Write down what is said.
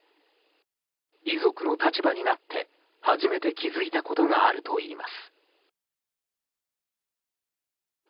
遺族の立場になって初めて気づいたことがあるといいます。